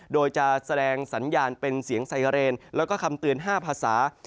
โดยจะแสดงสัญญาณเป็นเสียงไซเรนแล้วก็คำเตือน๕ภาษา